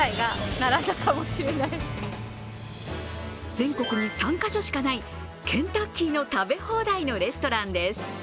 全国に３か所しかないケンタッキーの食べ放題のレストランです。